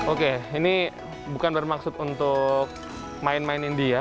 oke ini bukan bermaksud untuk main mainin dia